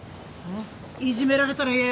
いじめられたら言えよ。